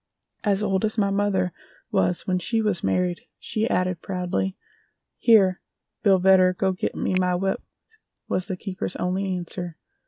As old as my mother was when she was married," she added proudly. "Here, Bill Vedder, go git me my whip," was the keeper's only answer.